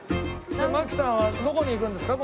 槙さんはどこに行くんですか？